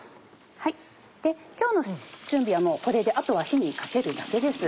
今日の準備はもうこれであとは火にかけるだけです。